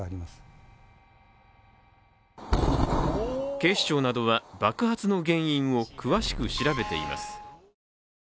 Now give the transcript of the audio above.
警視庁などは爆発の原因を詳しく調べています。